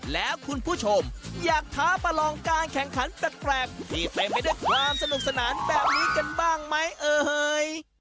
แล้วคุณผู้ชมอยากท้าประลองการแข่งขันแปลกที่เต็มไปด้วยความสนุกสนานแบบนี้กันบ้างไหมเอ่ย